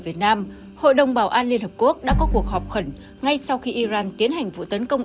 việt nam hội đồng bảo an liên hợp quốc đã có cuộc họp khẩn ngay sau khi iran tiến hành vụ tấn công